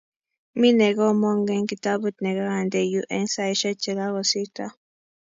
minee nekomong eng kitabut nekakande yuu eng saisiek chekakosorto